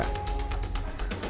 hubungi dr bimane dr alia dan dr bimane